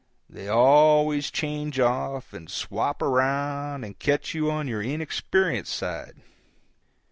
They always change off and swap around and catch you on your inexperienced side.